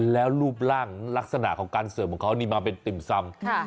แล้วรูปร่างลักษณะของการเสิร์ฟของเขานี่มาเป็นติ่มซำ